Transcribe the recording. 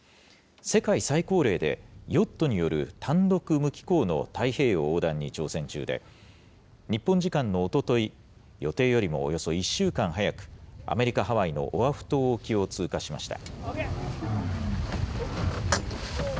世界最高齢でヨットによる単独無寄港の太平洋横断に挑戦中で、日本時間のおととい、予定よりもおよそ１週間早く、アメリカ・ハワイのオアフ島沖を通過しました。